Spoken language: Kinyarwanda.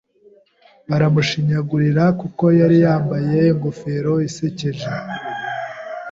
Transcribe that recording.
Baramushinyagurira kuko yari yambaye ingofero isekeje.